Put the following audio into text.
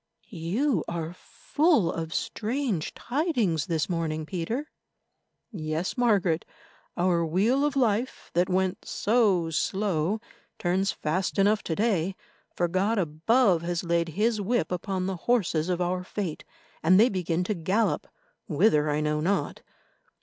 "You are full of strange tidings this morning, Peter." "Yes, Margaret, our wheel of life that went so slow turns fast enough to day, for God above has laid His whip upon the horses of our Fate, and they begin to gallop, whither I know not.